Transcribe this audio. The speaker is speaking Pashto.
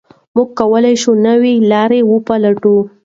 موږ کولای شو نوي لارې وپلټو.